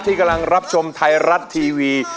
ที่กำลังรับชมไทยรัฐทีวี